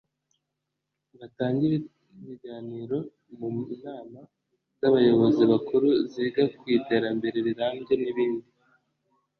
batange ibiganiro mu nama z’abayobozi bakuru ziga ku iterambere rirambye n’ibindi